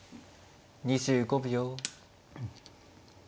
２５秒。